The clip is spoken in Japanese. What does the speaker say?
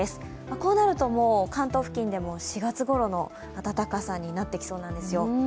こうなるともう関東付近でも４月ごろの暖かさになってきそうなんですよ。